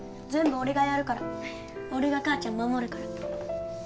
全部俺がやるから俺が母ちゃん守るから